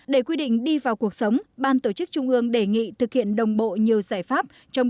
để quy định đi vào cuộc sống ban tổ chức trung ương đề nghị thực hiện đồng bộ nhiều giải pháp